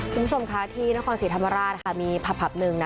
รุ่นชมค่าที่นครศรีธรรมราชมีพับนึงนะ